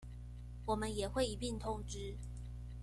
我們也會一併通知